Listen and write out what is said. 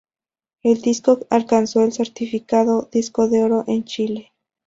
El disco alcanzó el certificado "disco de oro" en Chile.